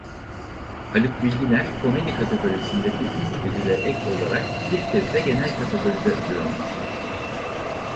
Haluk Bilginer komedi kategorisindeki üç ödüle ek olarak bir kez de genel kategoride ödül almıştır.